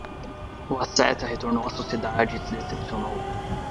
O asceta retornou à sociedade e se decepcionou